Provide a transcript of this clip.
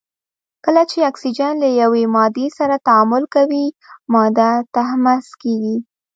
کله چې اکسیجن له یوې مادې سره تعامل کوي ماده تحمض کیږي.